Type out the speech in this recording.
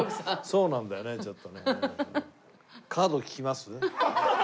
そうなんだよねちょっとね。